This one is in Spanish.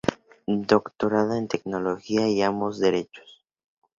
Doctorado en teología y ambos derechos.